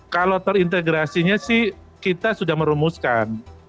kalau terintegrasinya sih kita sudah merumuskan